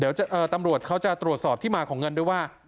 เดี๋ยวตำรวจเขาจะตรวจสอบที่มาของเงินด้วยว่า